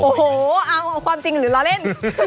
โอ้โหเอาความจริงหรือล้อเล่น